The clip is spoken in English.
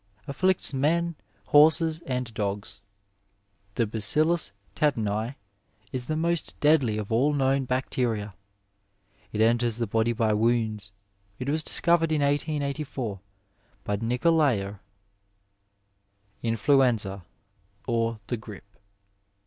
— ^Afflicts men, horses, and dogs. The Badllus tetani is the most deadly of all known bacteria. It enters the body by wounds. It was discovered in 1884 by Nicolaier. Infiuenaaf or the Orip.